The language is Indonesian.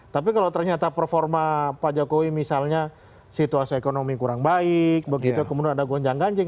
tapi kalau ternyata performa pak jokowi misalnya situasi ekonomi kurang baik begitu kemudian ada gonjang ganjing